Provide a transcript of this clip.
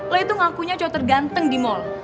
lah itu ngakunya cowok terganteng di mall